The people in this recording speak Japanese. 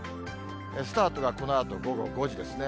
スタートがこのあと午後５時ですね。